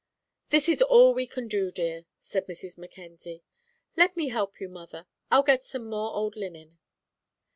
"This is all we can do, dear," said Mrs. Mackenzie. "Let me help you, mother I'll get some more old linen."